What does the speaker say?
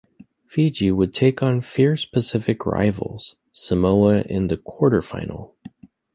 Fiji would take on 'fierce Pacific rivals' Samoa in the quarter final.